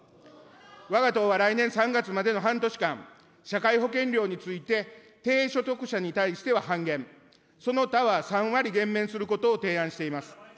わが党は来年３月までの半年間、社会保険料について低所得者に対しては半減、その他は３割減免することを提案しています。